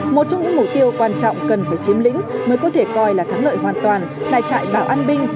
một trong những mục tiêu quan trọng cần phải chiếm lĩnh mới có thể coi là thắng lợi hoàn toàn là trại bảo an binh